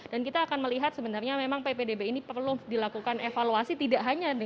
dan kita akan melihat sebenarnya memang ppdb ini perlu dilakukan evaluasi tidak hanya